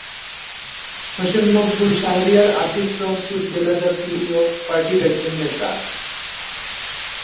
হোসেন মকবুল শাহরিয়ার আসিফ রংপুর জেলা জাতীয় পার্টির একজন নেতা।